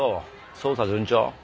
捜査順調？